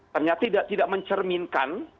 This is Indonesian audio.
ternyata tidak mencerminkan